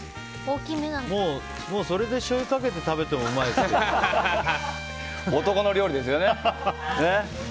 もうそれでしょうゆかけて食べても男の料理ですよね。